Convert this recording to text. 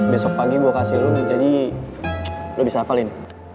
besok pagi gue kasih rumah jadi lo bisa hafalin